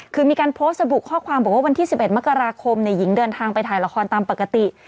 คือมีการโพสต์ระบุข้อความบอกว่าวันที่๑๑มกราคมหญิงเดินทางไปถ่ายละครตามปกติ